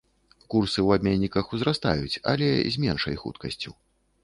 Курсы ў абменніках узрастаюць, але з меншай хуткасцю.